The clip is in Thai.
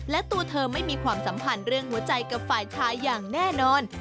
และตัวเธอไม่มีความสัมพันธ์เรื่องหัวใจกับฝ่ายชายอย่างแน่นอน